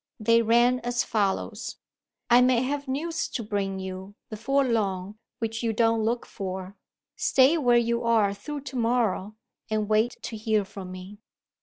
They ran as follows: "I may have news to bring you, before long, which you don't look for. Stay where you are through to morrow, and wait to hear from me."